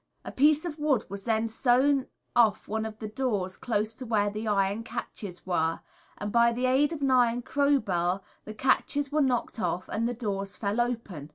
A piece of wood was then sawn off one of the doors close to where the iron catches were, and by the aid of an iron crowbar the catches were knocked off, and the doors fell down.